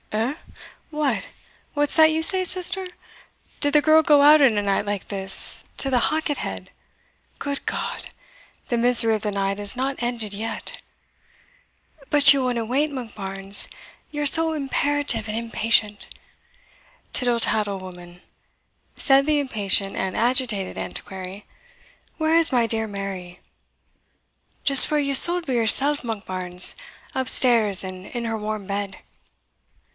"Eh! what what's that you say, sister? did the girl go out in a night like this to the Halket head? Good God! the misery of the night is not ended yet!" "But ye winna wait, Monkbarns ye are so imperative and impatient" "Tittle tattle, woman," said the impatient and agitated Antiquary, "where is my dear Mary?" "Just where ye suld be yoursell, Monkbarns up stairs, and in her warm bed."